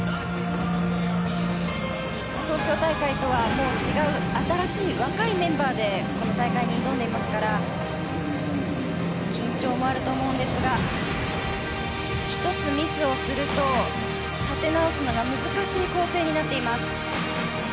東京大会とは違う新しい若いメンバーでこの大会に挑んでいますから緊張もあると思うんですが１つミスをすると立て直すのが難しい構成になっています。